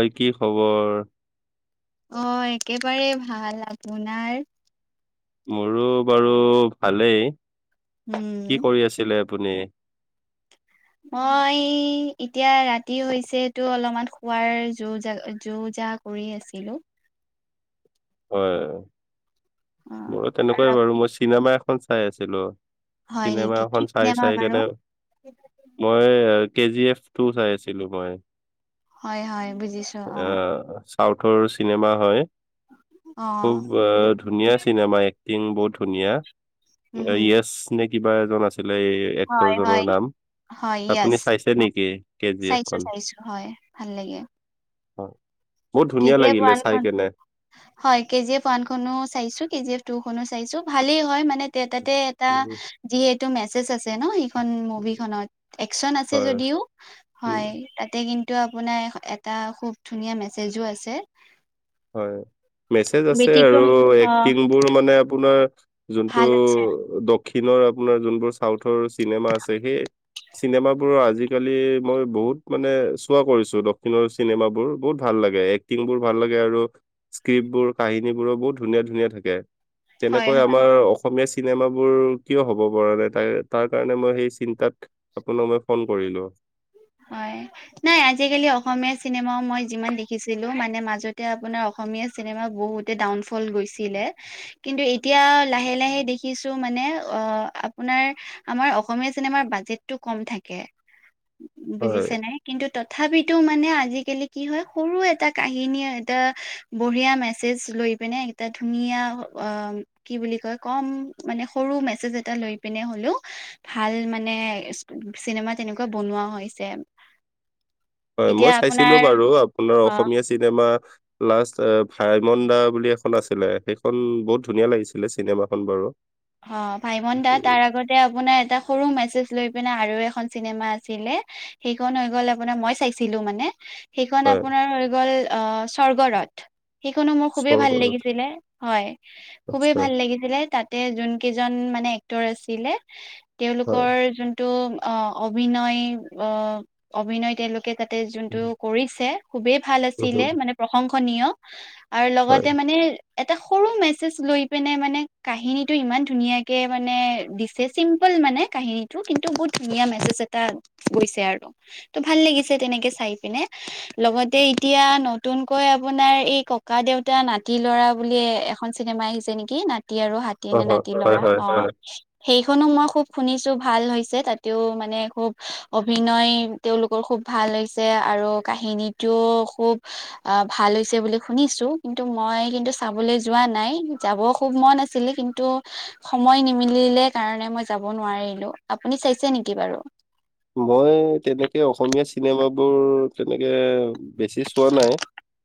অই কি খবৰ অ একেবাৰে ভাল আপোনাৰ মোৰো বাৰু ভালেই উম কি কৰি আছিলে আপুনি মই এতিয়া ৰাতি হৈছেতো অলপমান শুৱাৰ যো-জা যো-জা কৰি আছিলোঁ। হয়। অ' মোৰো আৰু তেনেকুৱাই বাৰু মই চিনেমা এখন চাই আছিলো হয় চিনেমা নেকি কি এখন চাই চিনেমা চাই বাৰু কেনে [inaudible] মই কে জি এফ টু চাই আছিলো মই। হয় হয় বুজিছো অ' আহ চাউথৰ চিনেমা হয়। অ' খুব বুজি ধুনীয়া চিনেমা এক্টিং বহুত ধুনীয়া উম হম য়েচ নে কিবা এজন আছিলে এই হয় হয় এক্টৰজনৰ নাম হয় আপুনি য়েছ চাইছে অ' নেকি কে জি এফ চাইছো খন চাইছো হয় ভাল লাগে হয়। বহুত কে ধুনীয়া জি এফ লাগিলে ওৱানখন চাই কেনে হয় কে জি এফ ওৱান খনো চাইছো কে জি এফ টু খনো চাইছো ভালেই হয় মানে তাতে এটা উম, যিহেতু মেছেজ আছে ন সেই খন মুভিখনত একচন আছে হয়, যদিও উম। হয় তাতে কিন্তু টো আপোনাৰ এটা খুব ধুনীয়া মেছেজো আছে হয় মেছেজ আছে আৰু ব্যতিক্ৰমী অ এক্টিংবোৰ মানে আপোনাৰ যোনটো ভাল হৈছে দক্ষিণৰ আপোনাৰ যোনবোৰ চাউথৰ চিনেমা আছে সেই চিনেমাবোৰৰ আজিকালি মই বহুত মানে চোৱা কৰিছোঁ দক্ষিণৰ চিনেমাবোৰ বহুত ভাল লাগে এক টিং বোৰ ভাল লাগে আৰু স্ক্ৰিপ্টবোৰ কাহিনী বোৰ বহুত ধুনীয়া ধুনীয়া থাকে হয় তেনেকৈ হয় আমাৰ অসমীয়া চিনেমাবোৰ কিয় হ'ব পৰা নাই তাই তাৰ কাৰণে মই সেই চিন্তাত আপোনাক মই ফোন কৰিলো। হয়। নাই আজিকালি অসমীয়া চিনেমাও মই যিমান দেখিছিলোঁ মানে মাজতে আপোনাৰ অসমীয়া চিনেমা বহুতে ডাউন ফল গৈছিলে কিন্তু এতিয়া লাহে লাহে দেখিছোঁ মানে অ আপোনাৰ আমাৰ অসমীয়া চিনেমাৰ বাজেটটো কম থাকে, হয়। বুজিছে নে? কিন্তু তথাপিতো মানে আজিকালি কি হয় সৰু এটা কাহিনীয়ে এটা বঢ়িয়া মেছেজ লৈ পিনে এটা ধুনীয়া কি বুলি কয় কম মানে সৰু মেছেজ এটা লৈ পিনে হ'লেও ভাল মানে চিনেমা তেনেকুৱা বনোৱা হৈছে। হয় মই এতিয়া চাইছিলো আপোনাৰ বাৰু আপোনাৰ অ অসমীয়া চিনেমা লাষ্ট এ ভাইমন দা বুলি এখন আছিলে সেইখন বহুত ধুনীয়া লাগিছিলে চিনেমাখন বাৰু। অ ভাইমন দা উম, তাৰ আগত আপোনাৰ এটা সৰু মেছেজ লৈ পিনে আৰু এখন চিনেমা আছিলে সেইখন হৈ গ'ল আপোনাৰ মই চাইছিলো মানে সেইখন হয়। আপোনাৰ হৈ গ'ল অ স্বৰ্গ ৰথ। সেইখনো মোৰ খুবেই ভাল স্বৰ্গদেউ লাগিছিলে। হয় খুবেই আচ্ছা, ভাল লাগিছিলে তাত যোন কেইজন মানে এক্টৰ আছিলে হয়। তেওঁলোকৰ যো টো অ অভিনয় অ অভিনয় তেওঁলোকে যাতে যোনটো কৰিছে খুবেই ভাল উম, হুম, আছিলে মানে প্ৰশংসনীয় আৰু হয়। লগতে মানে এটা সৰু মেছেজ লৈ পিনে মানে কাহিনীত টো ইমান ধুনীয়াকে মানে দিছে চিম্পল মানে কাহিনীটো কিন্তু বহুত ধুনীয়া মেছেজ এটা গৈছে আৰু ত' ভাল লাগিছে তেনেকে চাই পিনে। লগতে এতিয়া নতুনকৈ আপোনাৰ এই ককা দেউতা নাতি ল'ৰা বুলিয়ে এ খন চিনেমা আহিছে নেকি নাতি আৰু হাতী অ, নে হ নাতি হয়, লৰা হয়, অ। হয়। সেইখনো মই খুব শুনিছোঁ ভাল হৈছে তাতেও মানে খুব অভিনয় তেওঁলোকৰ খুব ভাল হৈছে আৰু কাহিনীটোও খুব অ ভাল হৈছে বুলি শুনিছোঁ কিন্তু মই কিন্তু চাবলৈ যোৱা নাই যাব খুব মন আছিলে কিন্তু সময় নিমিলিলে কাৰণে মই যাব নোৱাৰিলো। আপুনি চাইছে নেকি বাৰু? মই তেনেকে অসমীয়া চিনেমাবোৰ তেনেকে বেছি চোৱা নাই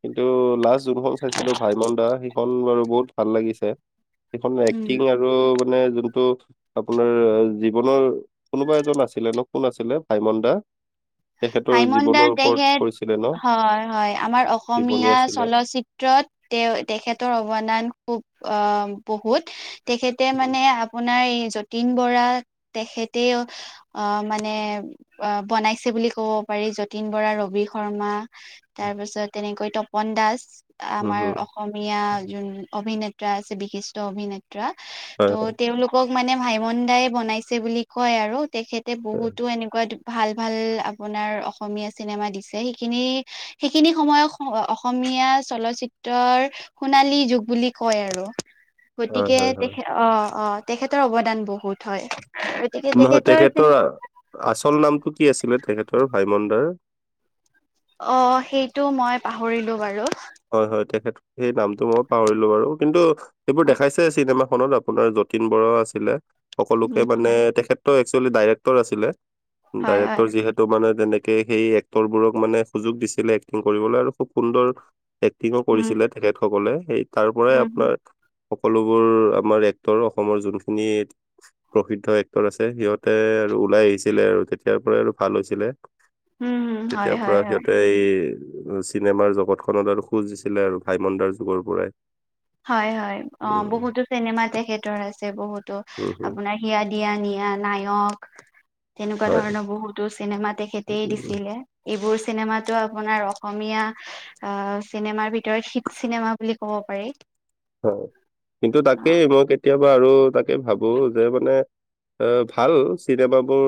কিন্তু লাষ্ট যোনখন চাইছিলো ভাইমন দা সেইখন বাৰু বহুত ভাল লাগিছে সেইখনৰ উম এক্টিং আৰু আৰু মানে যোনটোত আপোনাৰ জীৱনৰ কোনোবা এজন আছিলে ন কোন আছিলে ভাইমন দা তেখেতৰ জীৱনৰ ভাইমনদাৰ ওপৰত কৰিছিলে ন? তেখেত হয়ঁ হয়ঁ আমাৰ জীৱনী অসমীয়া আছিলে। চলচিত্ৰ ক্ষ্ৰত তেওঁ তেখেতৰ অৱদান খুব আহ বহুত। তেখেতে উম, মানে আপোনাৰ এই যতীন বৰাক তেখেতেই- অঁ মানে অঁ বনাইছে বুলি ক ক'ব পাৰি যতীন বৰা, ৰবি শৰ্মা তাৰ পাছত তেনেকৈ তপন দাস - হুম, আমাৰ হুম, অসমীয়া যোন অভিনেতা আছে বিশিষ্ট অভিনেতা। হয়, ত' তেওঁলোকক মানে ভাইমন দাই বনাইছে বুলি কয় আৰু তেখেত তা হয়, বহুতো এনেকুৱা ভাল ভাল আপোনাৰ অসমীয়া চিনেমা দিছে সেইখিনি সেইখিনি সময়ত অসমীয়া চলচিত্ৰৰ - সোণালী যুগ বুলি কয় আৰু। হয়, গতিকে হয়, হয়। তেখেত অঁ অঁ তেখেতৰ অৱদান বহুত হয়। নহয় তেখেতৰ আচল নামটো কি আছিলে তেখেতৰ ভাইমণন দাৰ? অঁ সেইটো মই পাহৰিলো বাৰু। হয়ঁ হয়ঁ তেখেতৰ সেই নামটো মই পাহৰিলো বাৰু কিন্তু সেইবোৰ দেখাইছে চিনেমাখনত আপোনাৰ যতীন বৰাও আছিলে সকলোকে উম মানে হয় তেখেতৰ একচোৱেলি ডাইৰেক্টৰ আছিলে হয় হয় ডাইৰেক্টৰ যিহেতু মানে তেনেক- কে সেই এক্টৰবোৰক মানে সুযোগ দিছিলে এক্টিং কৰিবলৈ আৰু খুব সুন্দৰ এক্টি্ংও উম কৰিছিলে। তেখেতসকলে সেই তাৰ পৰাই উম উম আপোনাৰ সকলোবোৰ আমাৰ এক্টৰ অসমৰ যোনখিনিত প্ৰকৃত এক্টৰ আছে সিহঁতে আৰু ওলাই আহিছিলে আৰু তেতিয়াৰ পৰাই আৰু ভাল হৈছিলে। উম হয় তেতিয়াৰ হয় পৰা হয় সিহঁতে এই চিনেমাৰ জগতখনত আৰু স্পজ দিছিলে আৰু ভাইমনডাৰ যুগৰ পৰাই। হয়ঁ হয়ঁ হয়ঁ অঁ উম বহুতো চিনেমা তেখেতৰ আছে বহুতো উম হম আপোনাৰ হিয়া দিয়া নিয়া নায়ক তেনেকুৱা হয় ধৰণৰ বহুতো চিনেমা‌ তেখে তেখেতেই উম, দিছিলে এইবোৰ চিনেমাতো আপোনাৰ অসমীয়া- আ চিনেমাৰ ভিতৰত হিট চিনেমা বুলি ক'ব পাৰি। হয়ঁ কিন্তু অ তাকেই মই কেতিয়াবা আৰু তাকেই ভাবো যে মানে এ ভাল চিনেমাবোৰ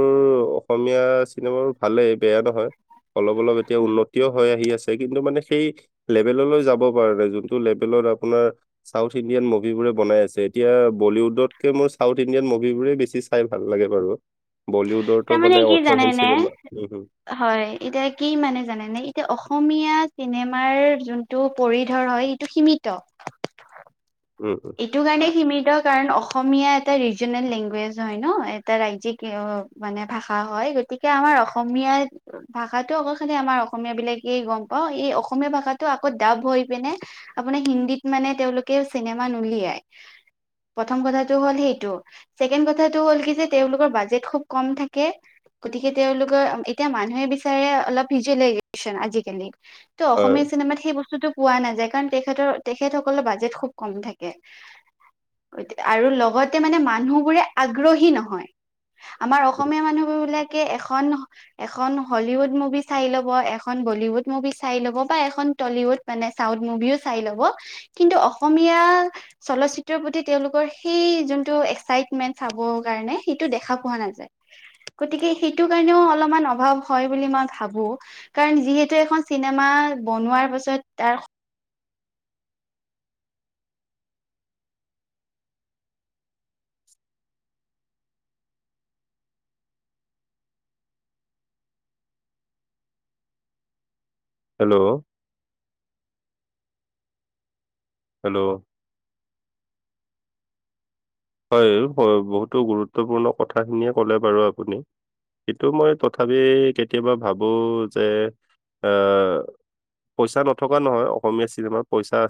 অসমীয়া চিনেমাবোৰ ভালেই বেয়া নহয়। অলপ অলপ এতিয়া উম উন্নত থিয় হৈ আহি আছে কিন্তু মানে সেই লেভেললৈ যাব পৰা নাই যোনটো লেভেলত আপোনাৰ- চাউথ ইণ্ডিয়ান মুভিবোৰে বনাই আছে এতিয়া বলিউডতকে মই চাউথ ইণ্ডিয়ান মুভিবোৰেই বেছি চাই ভাল লাগে বাৰু বলিউডৰতো মানে অৰ্থহীন চিনেমা উমঁ উমঁ। হয়ঁ এতিয়া কি মানে জানেনে এতিয়া অসমীয়া চিনেমাৰ যোন টো পৰিধৰ হয় ইটো সীমিত। উমঁ! এইটো কাৰণে সীমিত কাৰণ অসমীয়া এটা ৰিজনেল লেংগুৱেজ হয় ন এটা ৰাজ্যিক মানে ভাষা হয় গতিকে আমাৰ অসমীয়াই- ভাষাটো আকৌ খালি আমাৰ অসমীয়া বিলাকেই গম পাওঁ এই অসমীয়া ভাষাটো আকৌ ডাব হৈ পিনে আপোনাৰ হিন্দীত মানে তেওঁলোকে চিনেমা নোলিয়াই। প্ৰথম কথাটো হ'ল হেইটো। ছেকেণ্ড কথাটো হ'ল কি যে তেওঁলোকৰ বাজেট খুব কম থাকে। গতিকে তেওঁলোকৰ এতিয়া মানুহে বিচাৰে অলপ ভিজোৱেলাইজেচন আজিকালি। ত' হয় অসমীয়া চিনেমাত সেই বস্তুটো পোৱা নাযায় কাৰণ তেখেতৰ তেখেতসকলৰ বাজেট খুব কম থাকে। আৰু লগতে মানে মানুহবোৰে আগ্ৰহী নহয়। আমাৰ অসমীয়া মানুহবোৰ বিলাকে এখন এখন হলিউড মুভি চাই ল'ব, এখন বলিউড মুভি চাই ল'ব বা এখন টলিউড মানে চাউথ মুভিও চাই ল'ব, কিন্তু অসমীয়া চলচিত্ৰৰ প্ৰতি তেওঁলোকৰ সেই যোনটো এক্সাইটমেণ্ট চাবৰ কাৰণে সেইটো দেখা পোৱা নাযায়। গতিকে সেইটো কাৰণেও অলপমান অভাৱ হয় বুলি মই ভাবো। কাৰণ যিহেতু এখন চিনেমা বনোৱাৰ পাছত তাৰ [inaudible] হেল্ল'। হেল্ল'। হয়, বহুতো গুৰুত্বপূৰ্ণ কথাখিনিয়ে ক'লে বাৰু আপুনি। কিন্তু মই তথাপি কেতিয়াবা ভাবো যে আ পইচা নথকা নহয় অসমীয়া চিনেমাত পইচা